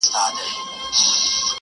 نو د دواړو خواوو تول به برابر وي!.